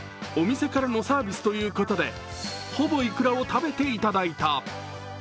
お店からのサービスということでほぼいくらを食べていただいた。